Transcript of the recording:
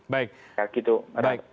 baik ya gitu baik